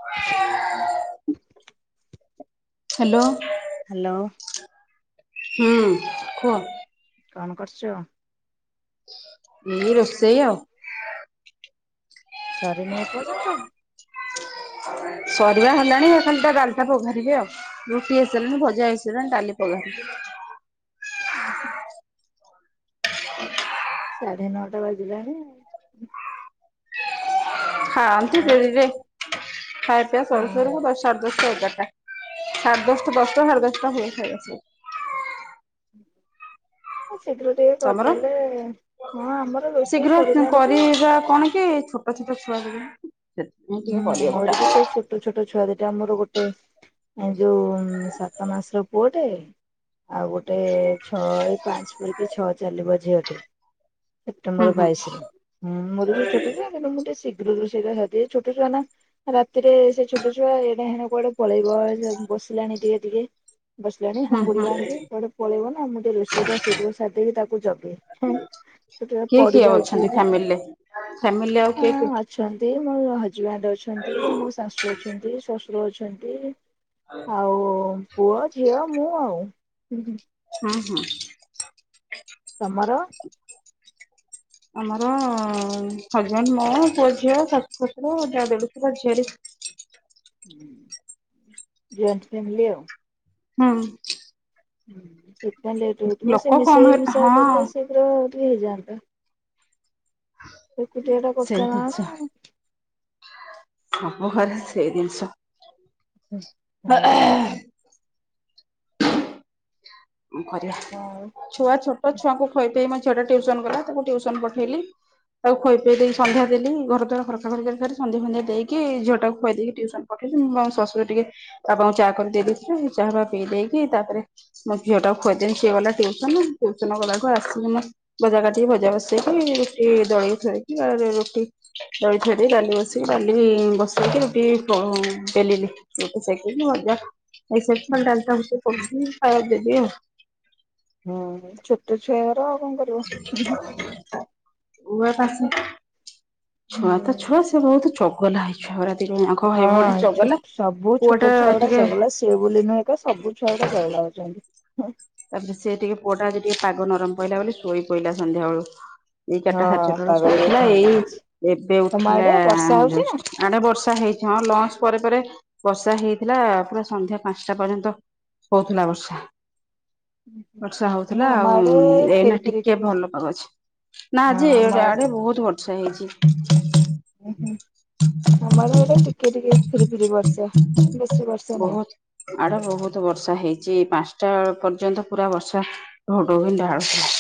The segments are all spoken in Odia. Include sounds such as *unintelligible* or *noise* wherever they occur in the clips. ହ ହ୍ୟାଲୋ। ହ୍ୟାଲୋ। ହୁଁ କୁହ? କଣ କରୁଛ? ଏ ରୋଷେଇ ଆଉ। ସରିନି ଏ ପର୍ଯ୍ୟନ୍ତ। ସରିବା ହେଲାଣି ଏ ଖାଲି ତ ଡାଲି ଟା ବାଘାରିବି ଆଉ। ରୁଟି ହେଇସାରିଲାଣି ଭଜା ହେଇସାରିଲାଣି ଡାଲି *unintelligible* ହୁଁ ହୁଁ। ସାଢେ ନଅଟା ବାଜିଲାଣି ଆଉ। ଖାଆନ୍ତି ଆଉ ଡେରିରେ ଖାଇ ପିଇବା ସରୁ ସରୁ ଦଶ ସାଢ଼େ ଦଶଟା ଏଗାରଟା ସାଢ଼େ ଦଶଟା ଦଶଟା ସାଢ଼େ ଦଶଟା ହୁଏ ଖାଇବା ପିଇବା। ଅ ସେଥିରେ ରୋଷେଇ ଶୀଘ୍ର ସରିଲାଣି ଯେ କରିବା କଣ କି? *unintelligible* ସେ ମୁଁ ହୁଁ ଟିକେ କରିବାକୁ ମୋର ବି ସେଇ ଟା ଛୋଟ ଛୋଟ ଛୁଆ ଦିଟା ଆମର ଗୋଟେ ଏ ଯୋଉ ସାତ ମାସର ପୁଅଟେ ଆଉ ଗୋଟେ ଛଅ ଏଇ ପାଞ୍ଚ ପୁରିକି ଛଅ ଚାଲିବ ଝିଅଟେ। ହୁଁ ସେପ୍ଟେମ୍ବର ହୁଁ ବାଇଶ ରେ ଉଁ ମୋର ଯୋଉ ଛୋଟ ଛୁଆ ମୁଁ ଟିକେ ଶୀଘ୍ର ରୋଷେଇ ଟା ସାରିଦିଏ। କେତେ ଜଣ ରାତିରେ ସେ ଛୋଟ ଛୁଆ ଏଡେ ହେଣ କୁଆଡେ ପଳେଇବ ଅ ବସିଲାଣି ଧୀରେ ଧୀରେ ବସିଲାଣି ହୁଁ ହୁଁ ହାବୁଡେଇଲାଣି କୁଆଡେ ପଳେଇବ ନା ମୁଁ ତ ରୋଷେଇ ଟା ଶୀଘ୍ର ସାରି ଦେଇକି ତାକୁ ଜଗେ। ଛୋଟ କିଏ ପଡି କିଏ ଯାଉଛି ଅଛନ୍ତି ବି। ଫ୍ୟାମିଲିରେ ଫ୍ୟାମିଲି ଆଉ କିଏ କିଏ ହଁ ଅଛନ୍ତି ମୋର ହଜବାଣ୍ଡ ଅଛନ୍ତି ମୋ ଶାଶୁ ଅଛନ୍ତି ଶଶୁର ଅଛନ୍ତି *unintelligible* ଆଉ ପୁଅ ଝିଅ ମୁଁ ଆଉ। ହଁ ହଁ। ତମର? ଆମର ହଜବାଣ୍ଡ ମା ପୁଅ ଝିଅ ଶାଶୁ ଶଶୁର ଯା ଦେଢଶୁର ଝିଆରୀ। ହୁଁ ଜଏଣ୍ଟ ଫ୍ୟାମିଲି ଆଉ। ହଁ। ହୁଁ ସେଥିପାଇଁ ଲେଟ୍ ହେଉଥିବ ସେ ଲୋକ କମ ମିଶେଇ ହେ ମିଶାଇ ଦେଲେ ହଁ ସେ ଶୀଘ୍ର ଟିକେ ହେଇଯାଆନ୍ତା। ଏକୁଟିଆ ଟା ସେଇ ପରିଶ୍ରମ ଆମ ଘରେ ସେଇ ଜିନିଷ। ହୁଁ। *unintelligible* କଣ କରିବା? ହଁ। ଛୁଆ ଛୋଟ ଛୁଆଙ୍କୁ ଖୁଆଇ ପିଆଇ ମୋ ଝିଅଟା ଟିଉସନ ଗଲା ତାକୁ ଟିଉସନ ପଠେଇଲି ଆଉ ଖୁଆଇ ପିଆଇ ଦେଇକି ସଂନ୍ଧ୍ୟା ଦେଲି ଘର ଦ୍ୱାର ଖରା ଖର ସନ୍ଧ୍ୟା ସନ୍ଧ୍ୟା ଦେଇକି ଝିଅଟାକୁ ଖୁଆ ଦେଇକି ଟିଉସନ ପଠେଇଥିଲି ମୁଁ ବା ଶାଶୁ ଟିକେ ବାପାଙ୍କୁ ଚାହା କରିଦେଇ ଦେଇଥିଲେ ଚା ବା ପିଇ ଦେଇକି ତାପରେ ମୋ ଝିଅ ଟାକୁୁ ଖୁଆଇ ଦେଇକି ସିଏ ଗଲା ଟିଉସନ ଟିଉସନ ଗଲାକୁ ଆସିକି ମୋର ଭଜା କାଟିକି ଭଜା ବସେଇକି ରୁଟି ଦଳିକି ଥୁଆ ହେଇଚି ଆ ରୁଟି ଦହି ଥୋଇ ଦେଇକି ଡାଲି ବସିକି ଡାଲି ବସେଇକି ରୁଟି ବେଲିଲି। ଛୋଟ ସାଇକେଲ ମଜା *unintelligible* ଖାଇବା ଦେବି ଆଉ। ହୁଁ ଛୋଟ ଛୁଆ ଗୁରା ଆଉ କଣ କରିବ? ଉଆ ପାସ ଛୁଆ ତ ହୁଁ। ଛୁଆ ସେ ବହୁତ ଚଗଲ ହେଇଛୁଆ ଗୁରା ହଁ ଛୋ ସବୁ ଛୋଟ ଛୁଆ ଗୁଡା ଟିକେ ଚଗଲା ସେ ସେ ନୁହଁ ବୋଲି ତ ସବୁ ଛୁଆ ଗୁଡା ଚଗଲା ହଉଛନ୍ତି। ତାପରେ ସେ ଟିକେ ପୁଅଟା ଟିକେ ପାଗ ନରମ ପଇଲା ବୋଲି ଶୋଇ ପଇଲା ସନ୍ଧ୍ୟାବେଳୁ। ଏଇ ଚାରିଟା ସାଢ଼େ ଛଅ ହଁ ଟାରେ ପାଗ ଟିକେ ଶୋଇଥିଲା ଥଣ୍ଡା ଏଇ ଅଛି ଏବେ ତମ ଉଠିଲା। ଆଡେ ବର୍ଷା ହଉଛି ନା? ଆଡେ ବର୍ଷା ହେଇଥା ହଁ ଲଞ୍ଚ ପରେ ପରେ ବର୍ଷା ହେଇଥିଲା ପୁରା ସନ୍ଧ୍ୟା ପାଞ୍ଚଟା ପର୍ଯ୍ୟନ୍ତ। ହୋଉଥିଲା ବର୍ଷା। ବର୍ଷା ନା ହୋଉଥିଲା ଆମ ଆଉ ଆଡେ ଫିରି ଏଇନା ଫିରି ଟିକେ ଭଲ ପାଗ ଅଛି। ନା ହଁ ଯେ ଆମ ଆଡେ ବହୁତ ବର୍ଷା ହେଇଛି। ହୁ ହୁଁ ଆମର ଏବେ ଟିକେ ଟିକେ ଫିରି ଫିରି ବର୍ଷେ ବେଶୀ ବର୍ଷା ନାହିଁ। ବହୁତ ଆଡେ ବହୁତ ବର୍ଷା ହେଇଚ ପାଞ୍ଚଟା ପର୍ଯ୍ୟନ୍ତ ପୁରା ବର୍ଷା ହଡ଼ ବିନ୍ ଢାଳୁଥିଲା।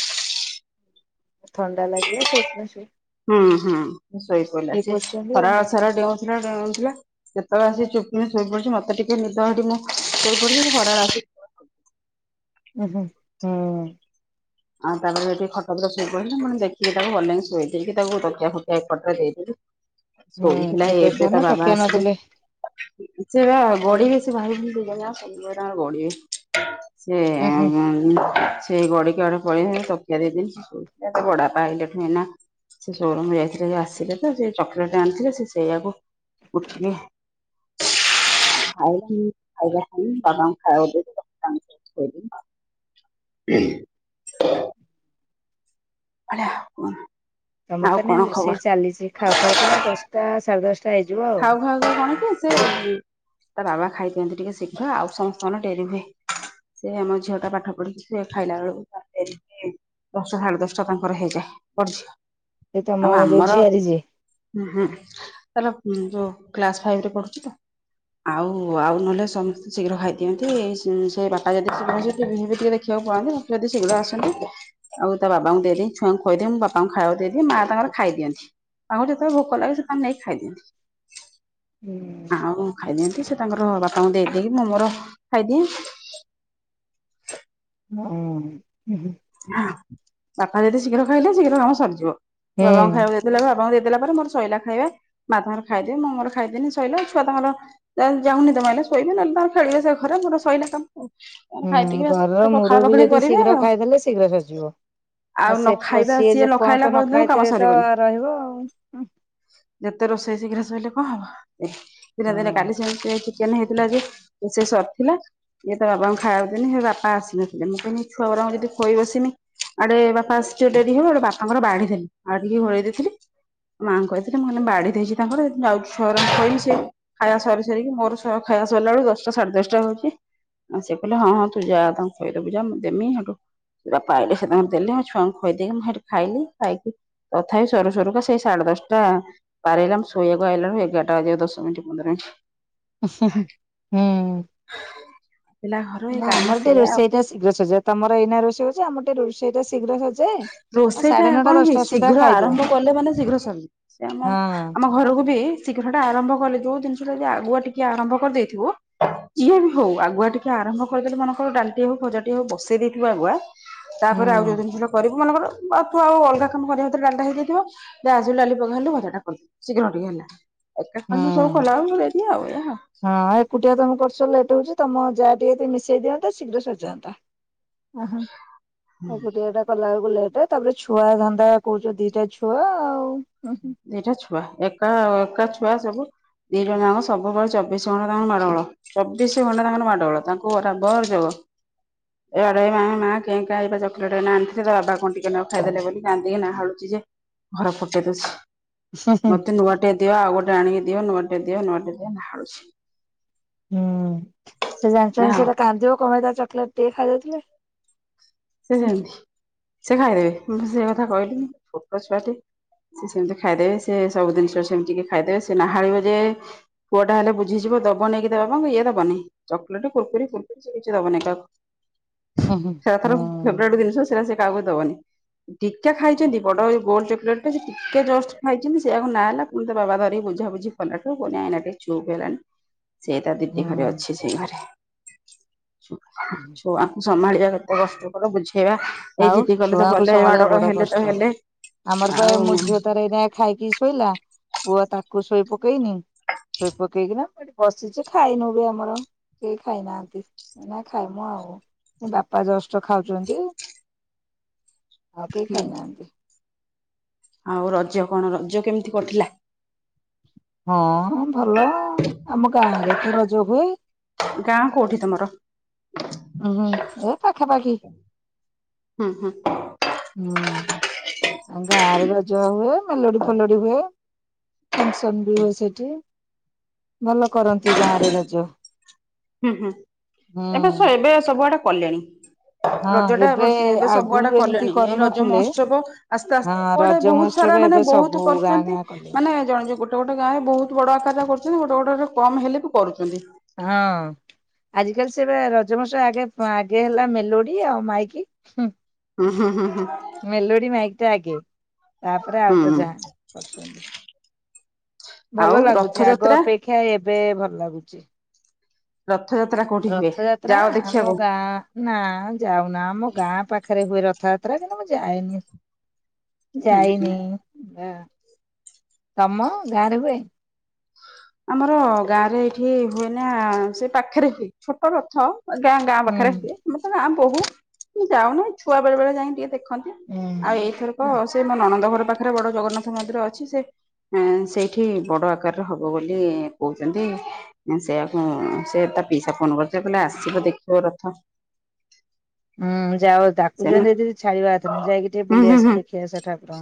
ଥଣ୍ଡା ଲାଗିଲା ସେଇଥିପଇଁ ସେ ହୁଁ ହୁଁ ଷୋଇ ପିଇଲା ସେ ଆଉ ଖରାବେଳ ସାରା ଡେଉଁଥିଲା ଡେଉଁଥିଲା କେତେବେଳେ ଆସି ଚୁପ୍ କିନୀ ଶୋଇପଡୁଛି ମତେ ଟିକେ ନିଦ ହେଇଚି ମୁଁ ଶୋଇପଡିଛି ଖରାବେଳେ ଆସିକି ଉ ହୁଁ ହୁଁ। ଆଉ ତାପରେ ସେଠି ଖଟ ଉପରେ ଶୋଇପଇଲା ମୁଁ ଦେଖିକି ତାକୁ ଘରେ ନେଇକି ଶୋଇ ଦେଇକି ତାକୁ ତକିଆ ଫକିଇ ଏକଟରେ ଦେଇଦେଲି। ହୁଁ ଶୋଇଥିଲା ଛୋଟ ଛୁଆ ଏବେ ତା ନା ବାବା ତକିଆ ଆସିଲେ ନଦେଲେ ସେବା ଉଁ ଗଡିକି ସେ ଭାଇଭଉଣୀ ଦି ଜଣଜାଙ୍କ ଗଢିବେ ହୁଁ ସେ ସେଇ ଗଡିକି ଆଡେ ପଳେଇ ତକିଆ ଦେଇଦେନି ବଡ଼ବାପା ଆଇଲେ ଠୁ ଏଇନା ସେ ସୋରୁମ ଯାଇଥିଲେ ଆସିଲେ ତ ସେ ଚକୋଲେଟ ଆଣିଥିଲେ ସେ ସେଇଆକୁ ଉଠିକି ଖାଇକି ଖାଇବା କଲି ବାବାଙ୍କୁ ଖାଇବାକୁ ଦେଇକି *unintelligible* ପଳିଆ ତମର ତ ଏନେ ରୋଷେଇ ଚାଲିଛି ଖାଉ ଖାଉ କା ଦଶଟା ସାଢେ ଦଶ ଖାଉ ଖାଉ କଣ କି ସେ ତା ବାବା ଖାଇ ଦିଅନ୍ତି ଟିକେ ଶୀଘ୍ର ଆଉ ସମସ୍ତଙ୍କର ଡେରି ହୁଏ। ସେ ଆମ ଝିଅ ଟା ପାଠ ପଢିକି ସେ ଖାଇଲା ବେଳକୁ ତାର ଡେରି ହୁଏ। ଦଶଟା ସାଢେ ଦଶଟା ତାଙ୍କର ହେଇଯାଏ ବଡ଼ଝିଅ। ସେ ତମ ଆଉ ଯୋଉ ଆମର ଝିଆରି ଯିଏ? ହଁ ହୁଁ ତାର ହୁଁ ଯୋଉ କ୍ଲାସ ଫାଇଭରେ ପଢୁଚି ତ ଆଉ ଆଉ ନହେଲେ ସମସ୍ତେ ଶୀଘ୍ର ଖାଇଦିଅନ୍ତି। ଏମିତି ସେ ବାପା ଯଦି ଥିବେ ହେଲେ ଟିଭି ଫିଭି ଟିକେ ଦେଖ ଦେଖିବାକୁ ପଳାନ୍ତି ଯଦି ଶିଘ୍ର ଆସନ୍ତି ଆଉ ତା ବାବାଙ୍କୁ ଦେଇଦିଏ ଛୁଆଙ୍କୁ ଖୋଇଦିଏ। ମୁଁ ବାପାଙ୍କୁ ଖାଇବାକୁ ଦେଇଦିଏ ମା ତାଙ୍କର ଖାଇଦିଅନ୍ତି। ତାଙ୍କୁ ଯେତେବେଳେ ଭୋକ ଲାଗେ ସେ ତାଙ୍କର ନେଇକି ଖାଇଦିଅନ୍ତି। ହୁଁ ଆଉ ଖାଇଦିଅନ୍ତି ସେ ତାଙ୍କର ବାପାଙ୍କୁ ଦେଇଦେଇକି ମୁଁ ମୋର ଖାଇଦିଏ। ହୁଁ ହୁ ହୁ। ବାପା ଯଦି ଶୀଘ୍ର ଖାଇଲେ ଶୀଘ୍ର କାମ ସରିଯିବ ବାବାଙ୍କୁ ଖାଇବାକୁ ହୁଁ ଦେ ଦେଲେ ବାବାଙ୍କୁ ଦେଇଦେଲା ପରେ ମୋର ଶଇଲା ଖାଇବା। ମା ତାଙ୍କର ଖାଇଦେବେ ମୁଁ ମୋର ଖାଇଦେନି ଶଇଲା ଛୁଆ ତାଙ୍କର ଯା ଯାହାକୁ ନିଦ ମାଇଲେ ଶୋଇବେ। ନହଲେ ତାଙ୍କର ଖେଳିବେ ସେ ଘରେ ମୋର ଶଇଲା କାମ ଓ ତାଙ୍କର ଖାଇ ପିଇକି ଘରର ଭା ପଖାଳ ମୁରବି ପୁଖୁଳି ଯଦି କରିବେ ଶୀଘ୍ର ଆଉ। ଖାଇଦେଲେ ଶୀଘ୍ର ସରିଯିବ। ଆଉ ନ ସେ ଖାଇବା ସିଏ ଯେ ନ ଖାଇଲା ପର୍ଯ୍ୟନ୍ତ କାମ ଖାଇଥିବେ ତ ସରିବନି। ରହିବ ଆଉ। ଯେତେ ରୋଷେଇ ଶୀଘ୍ର ଶୋଇଲେ କଣ ହବ। ଏ ଦିନେ ଦିନେ କାଲି ହଁ ସେମିତି ହେଇଚି କେନ ହେଇଥିଲା ଯେ ସେ ସରି ଥିଲା ଇଏ ତା ବାବାଙ୍କୁ ଖାଇବାକୁ ଦେନି ସେ ବାପା ଆସିନଥିଲେ ମୁଁ କହିଁଲି ଛୁଆରାଙ୍କୁ ଯଦି ଖୋଇ ବସିମି ଆଡେ ବାପା ଆସିଯିବେ ଡେରି ହବ। ହେଠୁ ବାପାଙ୍କର ବାଢ଼ିଦେଲି ବାଢିକି ଘୋଡ଼େଇ ଦେଇଥିଲି ମାଆଙ୍କୁ କହିଥିଲି ମୁଁ କହିଲି ବାଢି ଦେଇଛି ତାଙ୍କର ଯାଉଛି ଛିଆରାଙ୍କୁ ଖୋଇମି ସେ ଖାଇବା ସରିି ସରିକି ମୋର ସ ଖାଇବା ସରିଲା ବେଳକୁ ଦଶଟା ସାଢେ ଦଶଟା ହୋଉଛି। ଆ ସେ କହିଲ ହଁ ହଁ ତୁ ଯା ତାଙ୍କୁ ଖୋଇଦୋବୁ ଯା ଦେମି ହେଠୁ ବାପା ଆଇଲେ ସେ ତାଙ୍କର ଦେଲେ। ମୁ ଛୁଆଙ୍କୁ ଖୋଇଦେଇକି ମୁଁ ହେଠୁ ଖାଇଲି ଖାଇକି ତଥାପି ସରୁ ସରୁ କା ସେଇ ସାଢେ ଦଶଟା ପାରିହେଲା ମୁ ଶୋଇବାକୁ ଆଇଲାବେଳକୁ ଏଗାରଟା ବାଜିବାକୁ ଦଶ ମିନିଟ୍ ପନ୍ଦର ମିନିଟ। ହୁଁ। ପିଲା ଘର ଏଇ ନା କାମ ଆମର ଟିକେ ସେଇଆ ଆଉ। ରୋଷେଇ ଟା ଶୀଘ୍ର ସରିଜାଏ ତମର ଏଇନା ରୋଷେଇ ହୋଉଛି ଆମର ରଷେଇଟା ଶୀଘ୍ର ସରିଜ୍ ରୋଷେଇ ଟା କଣ କି ଶୀଘ୍ର ଖାଇଦଉ ଆରମ୍ଭ କଲେ ମାନେ ଶୀଘ୍ର ସରିଯି ସେ ଆମ ହଁ ଆମ ଘରକୁ ବି ଶୀଘ୍ର ଟା ଆରମ୍ଭ କଲେ ଯୋଉ ଜିନିଷଟା ଯଦି ଆଗୁ ଟିକେ ଆରମ୍ଭ କରିଦେଇଥିବୁ ଜିଇଏ ବି ହଉ ଆଗୁଆ ଟିକେ ଆରମ୍ଭ କରିଦେଲେ ମନେଙ୍କର ଡାଲିଟିଏ ହଉ ଭଜାଟିଏ ହଉ ବସେଇ ଦେଇଥିବା ଆଗୁଆ ହୁଁ ତାପରେ ଆଉ ଯୋଉ ଜିନିଷଟା କରିବୁ ମନେକର ତୁ ଆଉ ଅଲଗା କାମ କରିବା ଭିତରେ ଡାଲିଟା ହେଇଯାଇଥିବ। ତୁ ଆସିଲୁ ଡ଼ାଲି ପଘାରିଲୁ ଭଜା ଟା କଲୁ ଶିଘ୍ର ଟିକେ ହେଲା। ଏକା ହୁଁ। କାମ ସବୁ କଲାବେଳେକୁ ଡେରି ଆଉ ଏଇଆ। କୁଟିଆ ତମେ କରୁଚ ଲେଟ ହଉଛି ତମ ଯାହା ଟିକେ ମିଶେଇ ଦିଅନ୍ତା ଶୀଘ୍ର ସରିଜାନ୍ତା। ଓହୋ ଆଉ ଗୋଟ ଏଟା। କଲାବେଲୁ ଲେଟେ ତାପରେ ଛୁଆ ଧନ୍ଦା କହୁଛ ଦିଟା ଛୁଆ ଆଉ। ଦିଟା ଛୁଆ ଏକା ଏକା ଛୁଆ ସବୁ ଦିଟା ଯଙ୍କ ସବୁବେଳେ ଚବିଶ ଘଣ୍ଟା ତାଙ୍କ ମାଡ଼ଗୋଳ। ଚବିସି ଘଣ୍ଟା ତାଙ୍କ ମାଡଗୋଳ ତାଙ୍କୁ ରାବର ଯବ। ଏଆଡେ ଏ ମା କେ ଙ୍କା ଏଇପା ଚକଲେଟେ ଏଇନା ଆଣିଥିଲି ତା ବାବା କଣ ଟିକେନାଗୁ ଖାଇଦେଲେ ବୋଲି କାନ୍ଦିକି ନାହାଲୁଛି ଜେ ଘର ଫଟେଇ ଦଉଛି। ହୁଁ ହୁଁ। ମତେ ନୂଆ ଟେ ଦିଅ ଆଉ ଗୋଟେ ଆଣିଅ ଦିଅ ନୂଆ ଟେ ଦିଅ ନୂଆ ଟେ ଦିଅ ନାହାଳୁଛି। ହୁଁ ସେ ଜାଣିଛନ୍ତି ଆଉ ସେ ତ କାନ୍ଦିବ କପାଇଁ ତା ଚକିଲେଟେ ଟିକେ ଖାଇଦଉଥିଲେ। ସେ ସେମିତି ସେ ଖାଇଦେବେ ମୁଁ ସେ କଥା କହିଲିି ଛୋଟ ଛୁଆଟେ ସେ ସେମିତି ଖାଇଦେବେ ସେ ସବୁ ଦିନିଷ ସେମିତି ଟିକେ ଖାଇଦେବେ ସେ ନାହାଳିବ ଯେ ପୁଅ ଟା ହେଲେ ବୁଝଯିବ ଦବ ନେଇକି ତା ବାବା ଙ୍କୁ ଇଏ ଦବନି। ଚକଲେଟେ କୁରକରି ଫୁରୁକୁରି ସେ କିଛି ଦବନି କାହାକୁ। ଉଁ ହୁଁ ସେରା ତାର ହୁଁ। ଫେବରାଇଟ ଜିନିଷ ସେଟା ସେ କାହାକୁ ଦବନି ଟିକେ ଖାଇଛନ୍ତି ବଡ ଏ ଯୋଉ ଗୋଲ ଚକିଲେଟେ। ଟିକେ ଜଷ୍ଟ ଖାଇଛନ୍ତି ସେଇଆକୁ ନାହାଳିଲା ପୁଣି ତା ବାବା ଧରିକି ବୁଝା ବୁଝି କଲାଠୁ ପୁଣି ଏଇନା ଟିକେ ଚୁପ ହେଲାଣି। ସେଇ ତା ଦିଦି ଘରେ ହୁଁ। ଅଛି ସେଇ ଘରେ ଛୁ ଛୁଆ ସମ୍ଭାଳିବା କେତେ କଷ୍ଟକର ବୁଝେଇବା ଏଇ ଆଉ ଜିଦି କଲେ ତ ଛୁଆଙ୍କୁ କଲେ ସମ୍ଭାଳିବା ମାଡଗୋଳ ବଡ ହେଲେ ତ କଷ୍ଟ ହେଲେ ଆମର ପା ଏ ଆଉ ମୋ ଝିଅ ତାର ଏଇନା ଖାଇକି ଶୋଇଲା ପୁଅ ତାକୁ ଶୋଇ ପକେଇନି। ଶୋଇ ପକେଇକିନା ବସିଛି ଖାଇନୁ ବି ଆମର କେଇ ଖାଇନାହାନ୍ତି। ଏଇନା ଖାଇ ମୁଁ ଆଉ ବାପା ଜଷ୍ଟ ଖାଉଛନ୍ତି। ଆଉ କେଇ ହୁଁ ଖାଇନାହାନ୍ତି। ଆଉ ରଜ କଣ ରଜ କେମିତି କଟିଲା? ହଁ ଭଲ ଆମ ଗାଁରେ ତ ରଜ ହୁଏ। ଗାଁ କୋଉଠି ତମର? ଉଁ ହୁଁ ଏ ପାଖା ପାଖି ହୁଁ ହୁଁ ହୁଁ। ଆ ଗାଁ ରେ ରଜ ହୁଏ ମେଲୋଡି ଫେଲୋଡି ହୁଏ। ଫଙ୍କସନ ବି ହୁଏ ସେଠି ଭଲ କରନ୍ତି ଗାଁ ରେ ରଜ। ହୁଁ ହୁଁ ହୁଁ ଏବେ ସେ ଏବେ ସବୁଆଡେ କଲେଣି। ହଁ ରଜ ଟା ଏବର୍ଷ ଏବେ ଆଗରୁ ସବୁଆଡେ ଏମିତି କଲେଣି ଏଇ ରଜ କରୁନଥିଲେ ମହୋତ୍ସବ ଆସ୍ତେ ହଁ ଆସ୍ତେ କୁଆଡେ ରଜ ବହୁତ ମହୋତ୍ସବ ସାରା ଏବେ ମାନେ ସବୁ ବହୁତ ଗାଁ କରୁଛନ୍ତି ଗାଁ କଲେଣି ମାନେ ଜଣେ ଜେ ଗୋଟେ ଗୋଟେ ଗୋଟେ ଗାଁ ରେ ବହୁତ ବଡ ଆକାରରେ କରୁଛନ୍ତି ଗୋଟେ ଗୋଟେ କମ ହେଲେ ବି କରୁଛନ୍ତି। ହଁ। ଆଜିକାଲି ସେ ରଜ ମହୋତ୍ସବ ଆଗେ ଆଗେହେଲା ମେଲୋଡି ଆଉ ମାଇକି ହୁଁ। ହୁଁ ହୁଁ ହୁଁ ହୁଁ। ମେଲୋଡି ମାଇକି ଟା ଆଗେ ତାପରେ ଆଉ ହୁଁ ତ ହୁଁ ଯାହା କରୁଛନ୍ତି। ଆଉ ଭଲ ଲାଗୁଚି ଆଗ ରଥଯାତ୍ରା ଅପେକ୍ଷା ଏବେ ଭଲ ଲାଗୁଛି। ରଥଯାତ୍ରା କୋ ରଥଯାତ୍ରା ଆମ ଗାଁ ନା ଯାଉନା ଆମ ଗାଁ ପାଖରେ ହୁଏ ରଥଯାତ୍ରା କିନ୍ତୁ ମୁଁ ଯାଏନି। ହୁଁ ହୁଁ ଯାଇନି ତମ ଗାଁରେ ହୁଏ? ଆମର ଗାଁ ରେ ଏଇଠି ହୁଏ ନା ସେ ପାଖରେ ହୁଏ ଛୋଟ ରଥ ଗାଁ ଗାଁ ହୁଁ। ପାଖରେ ହୁଏ ମୁଁ ତ ଗାଁ ବୋହୁ ଯାଉନୁ ଛୁଆ ବେଳେ ବେଳେ ଯାଇ ଟିକେ ଦେଖ ଖନ୍ତି ଆଉ ଏଇଥର ହୁଁ। ତ ସେ ମୋ ନଣନ୍ଦ ଘର ପାଖରେ ବଡ ଜଗନ୍ନାଥ ମନ୍ଦିର ଅଛି, ସେ ଏଁ ସେଇଠି ବଡ ଆକାରରେ ହବ ହବ ବୋଲି କହୁଛନ୍ତି। ଦେନ୍ ସେୟାକୁ ସେ ତା ପିଇସା ଫୋନ କରିଥିଲେ କହିଲେ ଆସିବ ଦେଖିବ ରଥ। ହୁଁ ଯାଅ ସେ ହୁଁ ତାକୁଯନ୍ତି ଯଦି ଛାଡିବା କଥା ନୁହେଁ ଯାଇକି ଟିକେ ବୁଲି ହୁଁ ଆସ ହୁଁ ଦେଖିଆସ ଠାକୁର।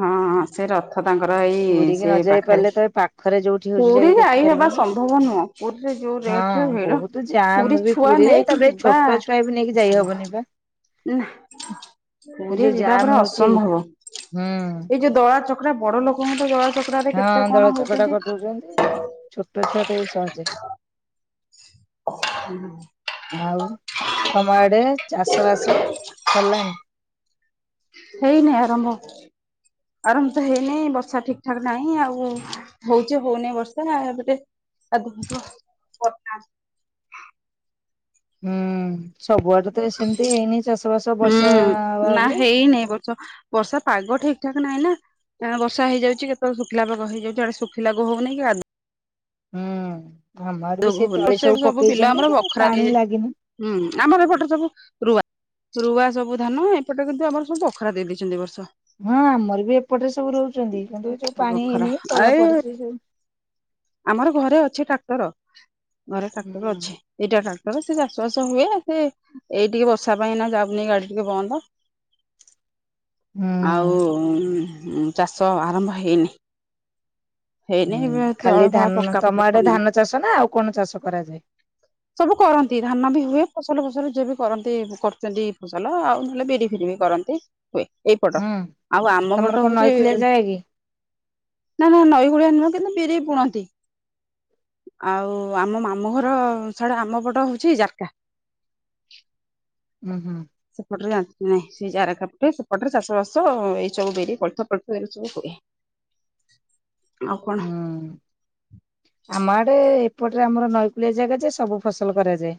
ହଁ ହଁ, ସେଇ ରଥ ତାଙ୍କର ଏଇ ପୁରୀ କି ନ ସେ ଯାଇ ପାଖେରେ। ପାରିଲେ ତ ଏ ପାଖରେ ଯୋଉଠି ହଉଛି ଯାଇକି ପୁରୀରେ ଆଇ ଦେଖିପାରିବ ହେବା ନା। ସମ୍ଭବ ନୁହଁ। ପୁରୀରେ ଯୋଉ ରେଟରେ ହଁ ଭିଡ। ବହୁତ ଜାମ୍ ପୁରୀ ବି ଛୁଆ ପୁରୀରେ ନେଇକି ତାପରେ ଯିବ ବା ଛୋଟ ଛୁଆ ବି ନେଇକି ଯାଇ ହବନି ବା। ନାହାଁ ଏ ପୁରୀ ଯୋଉ ଯିବା ଜାମ୍ ପରା ହଉଛି ଅସମ୍ଭବ। ହୁଁ। ଟିକେ ଦଳା ଚକଟା, ବଡ ଲୋକଙ୍କର ତ ଦଳା ଚକ ହଁ, ଦଳା ଚକଟା କରିଦଉଛନ୍ତି, ଛୋଟଛୁଆ ତ ଏଇ ସହଜେ। ଆଉ ତମ ଆଡେ ଚାଷ ବାସ ସରିଲାଣି? ହେଇନେଇ ଆରମ୍ଭ। ଆରମ୍ଭ ତ ହେଇନେଇ ବର୍ଷା ଠିକ ଠାକ ନାହିଁ ଆଉ ହଉଛି ହଉନେଇ ବର୍ଷା, ଏବେ ଟିକେ କାଦୁଅ *unintelligible* ହୁଁ ସବୁଆଡେ ତ ସେମିତି ହେଇନେଇ ଚାଷ ବାସ ବର୍ଷା ଅଭାବରୁ। ହେଇନେଇଁ ବ ର୍ଷା, ବର୍ଷା ପାଗ ଠିକ ଠାକ ନହିଁ ନା। ଏଣେ ବର୍ଷା ହେଇଯାଉଛି, କେତେବେଳେ ଶୁଖିଲା ପାଗ ହେଇଯାଉଛି ଆଡେ ଶୁଖିଲାକୁ ହଉନେଇ। କି କାଦୁ ହୁଁ ଆମର ବି ଯୋଗ ସେ ହଉନି ତଳି ସବୁ ବିଲ ଆମର ପକେଇଛନ୍ତି କି ବଖରା ଦେଇ ପାଣି ଲାଗିନି। ହୁଁ ଆମର ଏପଟରେ ସବୁ ରୁଆ। ରୁଆ ସବୁ ଧାନ, ଏପଟେ କିନ୍ତୁ ଆମର ସବୁ ବଖରା ଦେଇ ଦେଇଚନ୍ତି ଏ ବର୍ଷ। ହଁ ଆମର ବି ଏପଟେ ସବୁ ରୋଉଚନ୍ତି, କିନ୍ତୁ ଏ ଯୋଉ ପାଣି ବଖରା ହେଇନେଇ ତଳା ଏଇ ପଡିଛି ସବୁ। ଆମର ଘରେ ଅଛି ଟ୍ରାକ୍ଟର, ଘରେ ଟ୍ରାକ୍ଟର ହୁଁ ଅଛି। ଏଇଟା ଟ୍ରାକଟର ସେ ଚାଷ ବାସ ହୁଏ, ସେ ଏଇ ଟିକେ ବର୍ଷା ପାଇଁ ଏଇନା ଯାଉନେଇ ଗାଡି ଟିକେ ବନ୍ଦ। *unintelligible* ଆଉ ହୁଁ। ଉମ୍ ଚାଷ ଆରମ୍ଭ ହେଇନେଇ। ହୁଁ, ତଳ ଖାଲି ଫଳା ଧାନ ପକା ପକି ତମ ଆଡେ କରିନାହାନ୍ତି। ଧାନ ଚାଷ ନା ଆଉ କଣ ଚାଷ କରାଯାଏ? ସବୁ କରନ୍ତି। ଧାନ ବି ହୁଏ, ଫସଲ ଫସଲ ଯିଏ ବି କରନ୍ତି କରୁଚନ୍ତି ଫସଲ ଆଉ ନହେଲେ ବିରି ଫିରି ବି। କରନ୍ତି ହୁଏ, ଏଇପଟ। ହୁଁ ଆଉ ଆମ ତମର ପଟ କଣ ହଉଛି ନଈକୂଳିଆ ଜାଗା କି? ନା ନା, ନଈକୂଳିଆ ନୁହଁ କିନ୍ତୁ ବିରି ବୁଣନ୍ତି। ଆଉ ଆମ ମାମୁଁଘର ସାଡେ ଆମ ପଟ ହଉଛି ଜାରକା। ହୁଁ ହୁଁ। ସେପଟରେ ଜାଣନ୍ତି ନାଇଁ, ସେ ଜାରକା ପଟେ ସେପଟରେ ଚାଷ ବାସ ଏଇ ସବୁ ବିରି, କୋଳଥ ପୋଳଥ ଏଇରା ସବୁ ହୁଏ। *unintelligible* ଆଉ କଣ? ହୁଁ। ଆମ ଆଡେ, ଏପଟରେ ଆମର ନଈକୂଳିଆ ଜାଗା ଯେ ସବୁ ଫସଲ କରାଯାଏ।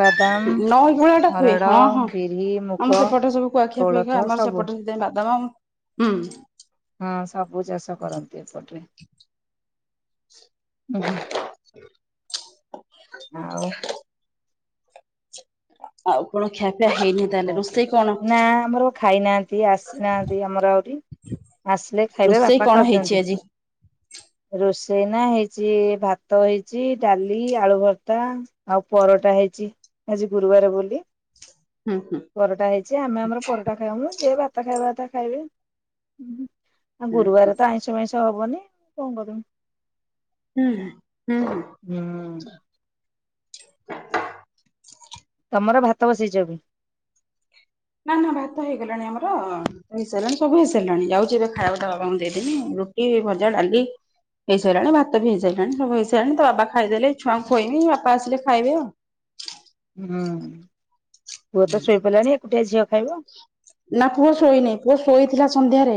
ବାଦାମ ନଈକୂଳିଆଟା ହୁଏ, ହରଡ଼, ହଁ ହଁ। ବିରି, ମୁଗ, ଆମ ସେପଟେ ସବୁ କୁଆଖିଆ କୋଳଥ ପୁଆଖିଆ ଆମର ସବୁ ସେପଟେ ଟେ ବାଦାମ ହୁଁ। ହଁ ସବୁ ଚାଷ କରନ୍ତି ଏପଟରେ। ହୁଁ, ଆଉ ଆଉ କଣ ଖିଆପିଆ ହେଇନି ଆଉ ତାହେଲେ କଣ ରୋଷେଇ କହୁଛୁ? କଣ ନା ଆମର ଖାଇନାହାଁନ୍ତି ଆସିନାହାଁନ୍ତି ଆମର ଆହୁରି। ଆସିଲେ ଖାଇବେ, ରୋଷେଇ ବାପା କଣ ହେଇଛି ଖାଉଛନ୍ତି। ଆଜି? ରୋଷେଇ ନା ହେଇଛି, ଭାତ ହେଇଛି, ଡାଲି, ଆଳୁ ଭର୍ତା। ଆଉ ପରଟା ହେଇଛି, ଆଜି ଗୁରୁବାର ବୋଲି। ହୁଁ ହୁଁ ପରଟା ହେଇଛି, ଆମେ ଆମର ପରଟା ଖାଇମୁ, ଯିଏ ଭାତ ଖାଇବା କଥା ଖାଇବେ। ଆଉ ହୁଁ ହୁଁ ଗୁରୁବାର ତ ଆଇଁଷ ମାଇଁଷ ହବନି, କଣ କରିବୁ? ହୁଁ ହୁଁ। ହୁଁ। *unintelligible* ତମର ଭାତ ବସେଇଛ ଏବେ। ନାଁ ନାଁ ଭାତ ହେଇଗଲାଣି ଆମର। ହେଇସାରିଲାଣି ସବୁ ହେଇସାରିଲାଣି ଯାଉଚି ଏବେ ଖାଇବାକୁ ତା ବାବାଙ୍କୁ ଦେଇଦେମି ରୁଟି, ଭଜା, ଡାଲି। ହେଇସାଇଲାଣି ଭାତ ବି ହେଇ ସାଇଲଣି ସବୁ ହେଇସାଇଲାଣି ତା ବାବା ଖାଇଦେଲେ ଛୁଆଙ୍କୁ ଖୋଇମି ବାପା ଆସିଲେ ଖାଇବେ ଆଉ। ହୁଁ ପୁଅ ତ ଶୋଇପଇଲାଣି ଏକୁଟିଆ ଝିଅ ଖାଇବ। ନା ପୁଅ ଶୋଇନେଇ ପୁଅ ଶୋଇଥିଲା ସନ୍ଧ୍ୟାରେ।